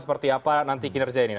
seperti apa nanti kinerja ini